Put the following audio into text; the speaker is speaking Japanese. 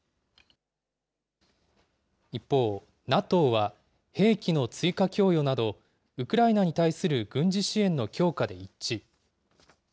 一方、ＮＡＴＯは、兵器の追加供与など、ウクライナに対する軍事支援の強化で一致。